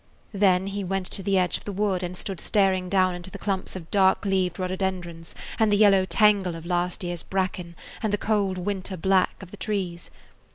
Then he went to the edge of the wood and stood staring down into the clumps of dark leaved rhododendrons and the yellow tangle of last year's bracken and the cold winter black of the trees.